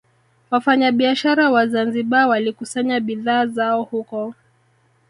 Wafanyabiashara wa Zanzibar walikusanya bidhaa zao huko